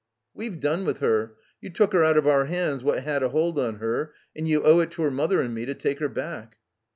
"We've done with her. You took her out of our 'ands what 'ad a hold on her, and you owe it to her mother and me to take her back."